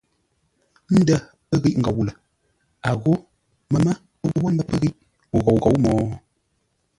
Ndə̂ pə́ ghíʼ ngôu lə̂, a ghô məmə́ o wə́ ndə̂ pə́ ghíʼ o ghôu ghǒu mo?